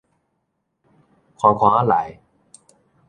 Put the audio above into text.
寬寬仔來